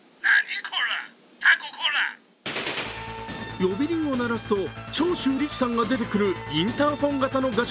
呼び鈴を鳴らすと長州力さんが出てくるインターフォン型のガシ